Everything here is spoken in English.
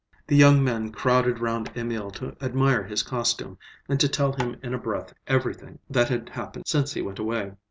The young men crowded round Emil to admire his costume and to tell him in a breath everything that had happened since he went away.